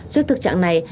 trước thực trạng này